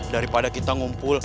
daripada kita ngumpul